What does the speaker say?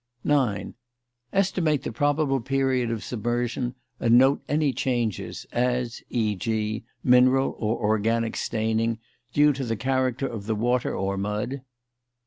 9. Estimate the probable period of submersion and note any changes (as, e.g., mineral or organic staining) due to the character of the water or mud.